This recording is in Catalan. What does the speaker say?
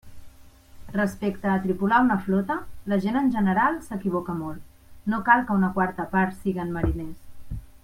Respecte a tripular una flota, la gent en general s'equivoca molt; no cal que una quarta part siguen mariners.